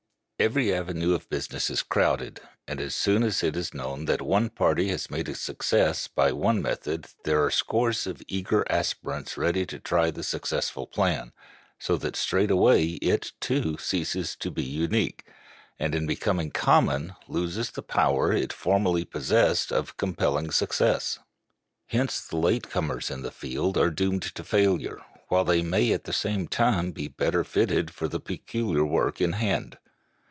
Every avenue of business is crowded, and as soon as it is known that one party has made a success by one method there are scores of eager aspirants ready to try the successful plan, so that straightway it, too, ceases to be unique, and, in becoming common, loses the power it formerly possessed of compelling success. Hence the late comers in the field are doomed to failure, while they may at the same time be the better fitted for the peculiar work in hand.